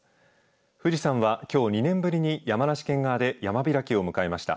富士山はきょう２年ぶりに山梨県側で山開きを迎えました。